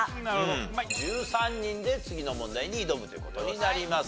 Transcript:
１３人で次の問題に挑むという事になります。